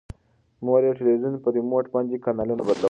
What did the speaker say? مور یې د تلویزون په ریموټ باندې کانالونه بدلول.